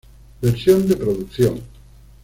Versión de producción.